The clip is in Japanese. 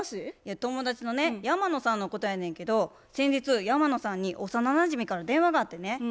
友達のね山野さんのことやねんけど先日山野さんに幼なじみから電話があってね。